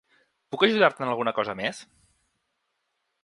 Puc ajudar-te en alguna cosa més?